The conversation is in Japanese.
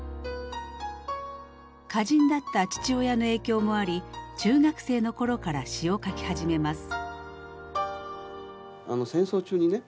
歌人だった父親の影響もあり中学生の頃から詩を書き始めます。